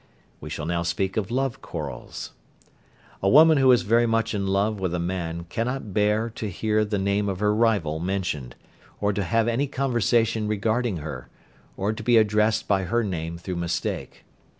We shall now speak of love quarrels. A woman who is very much in love with a man cannot bear to hear the name of her rival mentioned, or to have any conversation regarding her, or to be addressed by her name through mistake.